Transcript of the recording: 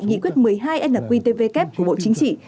nghị quyết một mươi hai nqtvk của bộ chính trị